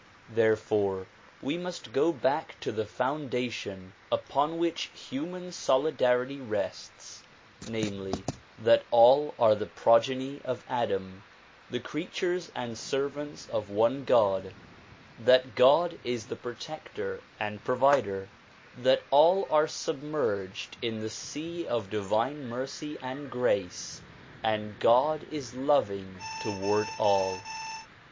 Therefore we must go back to the foundation upon which human solidarity rests, namely : that all are the progeny of Adam, the creatures and servants of one God; that God is the protector and provider; that all are sub merged in the sea of divine mercy and grace and God is loving toward all.